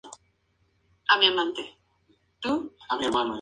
El ser humano incluso es incapaz de representarse semejante desorden universal.